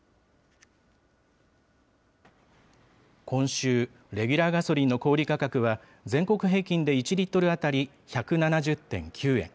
今週、レギュラーガソリンの小売り価格は全国平均で１リットル当たり１７０．９円。